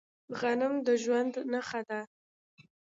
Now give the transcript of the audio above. غنم د ژوند نښه ده.